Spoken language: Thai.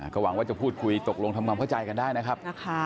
ก็หวังว่าจะพูดคุยตกลงทำความเข้าใจกันได้นะครับ